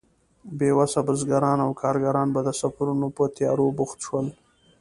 بې وسه بزګران او کارګران به د سفرونو په تيارو بوخت شول.